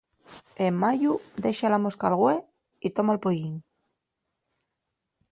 En mayu, dexa la mosca al güe y toma’l pollín.